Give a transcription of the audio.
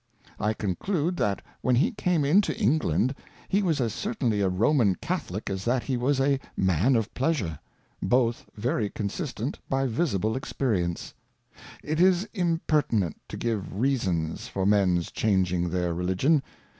I co nclude that whe n he came in to England he was as certainly^ a Roman Ca tMlii±^iLS thathewas a Man of Pleasure; ~ both very consistent_b y visiblc J Ixpierience. '""— It is impertinent to give Reasons for Mens changing their Religion.